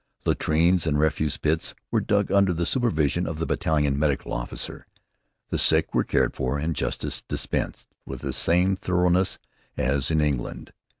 Latrines and refuse pits were dug under the supervision of the battalion medical officer. The sick were cared for and justice dispensed with the same thoroughness as in England.